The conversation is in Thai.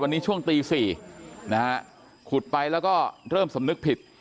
วันนี้ช่วงตี๔นะฮะขุดไปแล้วก็เริ่มสำนึกผิด